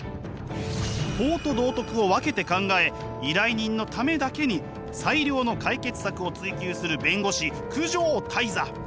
法と道徳を分けて考え依頼人のためだけに最良の解決策を追求する弁護士九条間人。